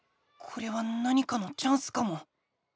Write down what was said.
これは何かのチャンスかも。